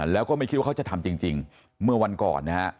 แล้วก็ไม่คิดว่าเขาจะทำจริงเมื่อวันก่อนนะฮะ